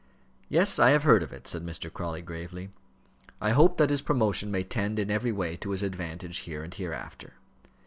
"Yes; I have heard of it," said Mr. Crawley, gravely. "I hope that his promotion may tend in every way to his advantage here and hereafter."